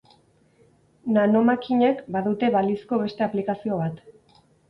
Nanomakinek badute balizko beste aplikazio bat.